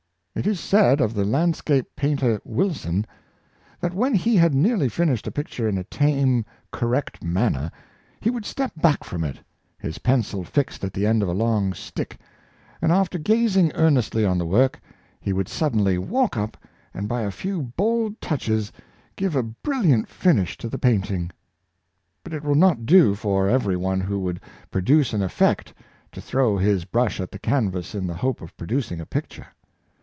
It is said of the landscape painter Wil son, that when he had nearly finished a picture in a tame, correct manner, he would step back from it, his pencil fixed at the end of a long stick, and after gazing earnestly on the work, he would suddenly walk up and by a few bold touches give a brilliant finish to the paint ing. But it will not do for every one who would pro duce an effect, to throw his brush at the canvas in the hope of producing a picture.